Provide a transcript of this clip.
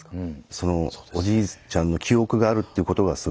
そのおじいちゃんの記憶があるということがすごく衝撃と言うか。